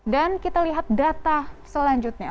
kita lihat data selanjutnya